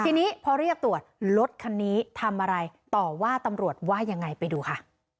ทีนี้พอเรียกตรวจรถคันนี้ทำอะไรต่อว่าตำรวจว่ายังไงไปดูค่ะ